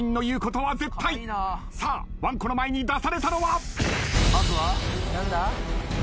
さあわんこの前に出されたのは。